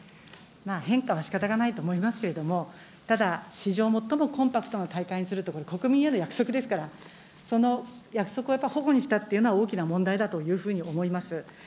変化はしかたがないとおもいますけれども、ただ、史上最もコンパクトな大会にすると、これ、国民への約束ですから、その約束をやっぱりほごにしたというのはやっぱり大きな問題だというふうに思います。